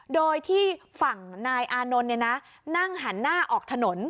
โดยที่ฝั่งนายอานนท์นั่งหันหน้าออกถนน